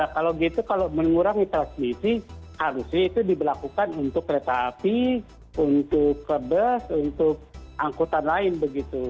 kalau gitu kalau mengurangi transmisi harusnya itu diberlakukan untuk kereta api untuk ke bus untuk angkutan lain begitu